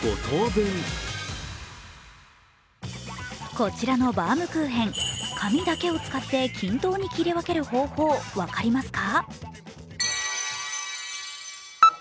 こちらのバウムクーヘン、神だけを使って均等に切り分ける方法、分かりますか？